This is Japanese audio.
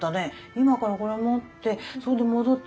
今からこれ持ってそんで戻って。